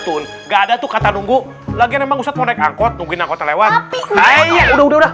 tuh nggak ada tuh kata nunggu lagi memang usaponek angkot mungkin aku telewati udah udah